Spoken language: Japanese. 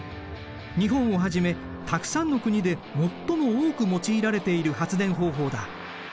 日本をはじめたくさんの国で最も多く用いられている発電方法だ。